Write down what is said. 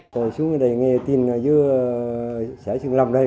tôi xuống đây nghe tin dưới sẻ trường lòng đây